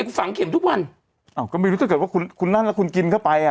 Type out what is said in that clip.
คุณฝังเข็มทุกวันอ้าวก็ไม่รู้ถ้าเกิดว่าคุณคุณนั่นแล้วคุณกินเข้าไปอ่ะ